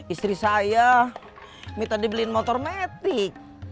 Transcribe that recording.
istri saya minta dibeliin motor metik